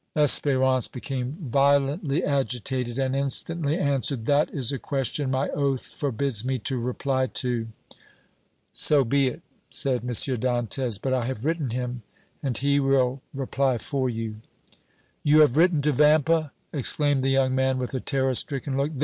Espérance became violently agitated and instantly answered: "That is a question my oath forbids me to reply to!" "So be it," said M. Dantès; "but I have written him and he will reply for you!" "You have written to Vampa!" exclaimed the young man, with a terror stricken look.